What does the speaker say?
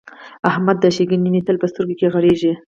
د احمد ښېګڼې مې تل په سترګو کې غړېږي.